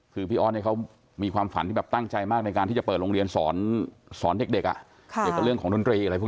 คือพี่ออสมีความฝันที่ตั้งใจมากในการเปิดโรงเรียนสอนเด็กเอาเรื่องของโดนตรีบ้าง